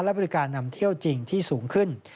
และบริการนำเที่ยวจริงที่สูงขึ้น